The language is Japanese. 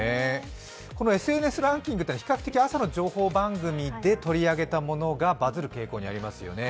このＳＮＳランキングというのは比較的、朝の情報番組で取り上げたワードがバズる傾向にありますよね。